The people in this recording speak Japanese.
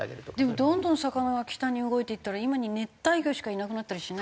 でもどんどん魚が北に動いていったら今に熱帯魚しかいなくなったりしないんですかね。